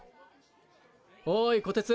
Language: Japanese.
おいこてつ！